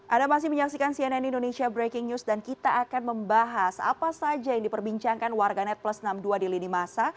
anda masih menyaksikan cnn indonesia breaking news dan kita akan membahas apa saja yang diperbincangkan warganet plus enam puluh dua di lini masa